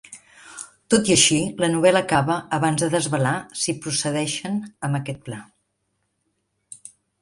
Tot i així, la novel·la acaba abans de desvelar si procedeixen amb aquest pla.